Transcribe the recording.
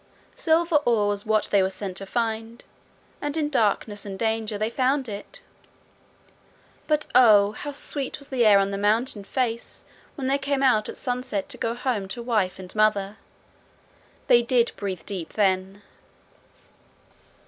Silver ore was what they were sent to find, and in darkness and danger they found it. But oh, how sweet was the air on the mountain face when they came out at sunset to go home to wife and mother! They did breathe deep then!